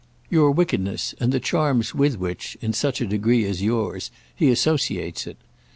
"Your wickedness and the charms with which, in such a degree as yours, he associates it.